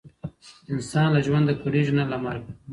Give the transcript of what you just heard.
انسان له ژونده کړیږي نه له مرګه.